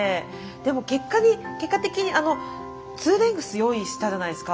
でも結果的にあのツーレングス用意したじゃないですか。